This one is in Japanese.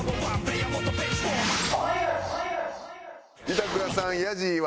板倉さんヤジは。